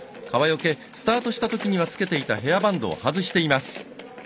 川除、スタートしたときにはつけていたヘアバンドを外しています。